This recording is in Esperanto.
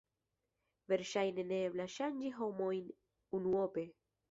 Verŝajne ne eblas ŝanĝi homojn unuope.